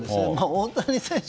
大谷選手